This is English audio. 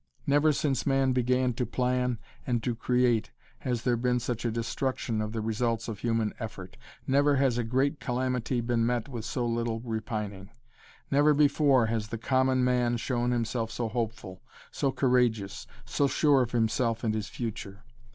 Never since man began to plan and to create has there been such a destruction of the results of human effort. Never has a great calamity been met with so little repining. Never before has the common man shown himself so hopeful, so courageous, so sure of himself and his future.